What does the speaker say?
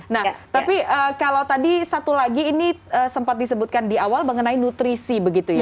nah tapi kalau tadi satu lagi ini sempat disebutkan di awal mengenai nutrisi begitu ya